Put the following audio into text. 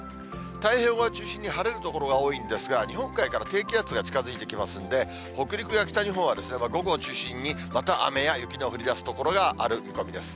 太平洋側中心に、晴れる所が多いんですが、日本海から低気圧が近づいてきますんで、北陸や北日本は、午後を中心にまた雨や雪の降りだす所がある見込みです。